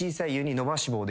伸ばし棒で！？